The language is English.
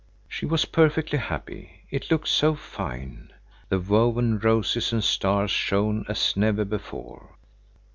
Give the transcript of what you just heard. She was perfectly happy. It looked so fine. The woven roses and stars shone as never before.